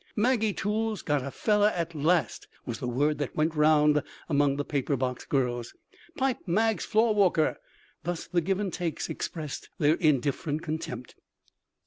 "Maggie Toole's got a fellow at last," was the word that went round among the paper box girls. "Pipe Mag's floor walker"—thus the Give and Takes expressed their indifferent contempt.